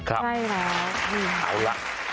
ใช่แล้ว